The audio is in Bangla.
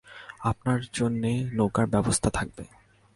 আপনার জন্যে নৌকার ব্যবস্থা থাকবে।